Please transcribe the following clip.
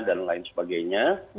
dan lain sebagainya